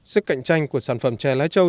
sức cạnh tranh của sản phẩm trè lai châu